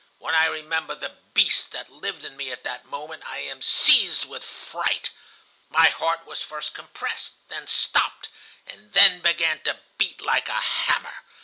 When I remember the beast that lived in me at that moment, I am seized with fright. My heart was first compressed, then stopped, and then began to beat like a hammer.